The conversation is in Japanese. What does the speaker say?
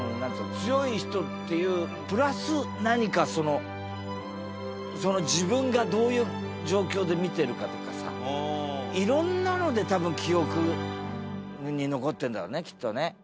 強い人っていうプラス何かそのその自分がどういう状況で見てるかとかさいろんなので多分記憶に残ってるんだろうねきっとね。